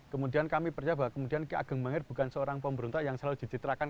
kemudian kami percaya bahwa kemudian ki ageng mangir bukan seorang pemberontak yang selalu dicitrakan